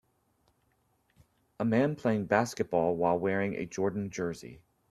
A man playing basketball while wearing a Jordan jersey.